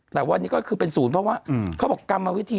แต่วันนี้ก็คือเป็นศูนย์เพราะว่าเขาบอกกรรมวิธี